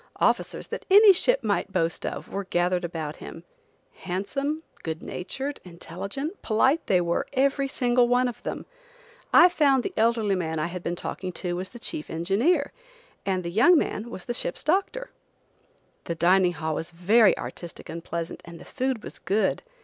Officers, that any ship might boast of, were gathered about him. Handsome, good natured, intelligent, polite, they were, every single one of them. I found the elderly man I had been talking to was the chief engineer, and the young man was the ship's doctor. The dining hall was very artistic and pleasant, and the food was good.